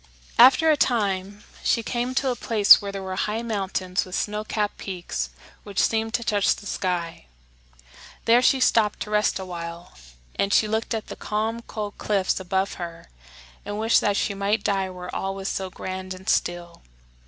After a time she came to a place where there were high mountains with snow capped peaks which seemed to touch the sky. There she stopped to rest a while; and she looked up at the calm, cold cliffs above her and wished that she might die where all was so grand and still.